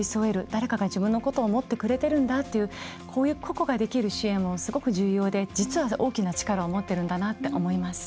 誰かが自分のことを思ってくれてるんだという個々ができる支援はすごく重要で実は大きな力を持ってるんだなと思います。